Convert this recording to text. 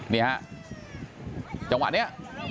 นี่ฮะจังหวะนี้